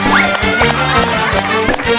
เต้นสักพักนึง